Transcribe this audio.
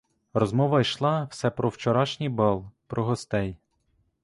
Розмова йшла все про вчорашній бал, про гостей.